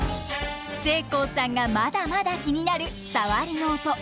せいこうさんがまだまだ気になるサワリの音。